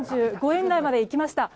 １４５円台までいきました。